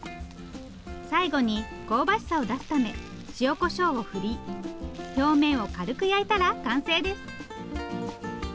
最後に香ばしさを出すため塩こしょうを振り表面を軽く焼いたら完成です。